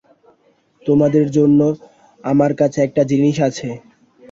তোমাদের জন্য আমার কাছে একটা জিনিস আছে।